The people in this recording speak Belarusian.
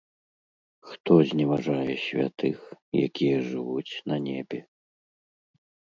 Хто зневажае святых, якія жывуць на небе?